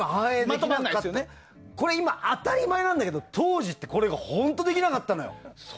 今はそれが当たり前なんだけど当時はこれが本当にできなかったのよ。